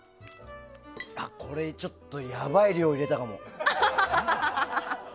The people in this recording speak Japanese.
これ、ちょっとやばい量入れたかも。